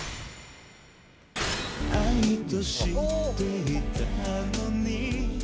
「愛と知っていたのに」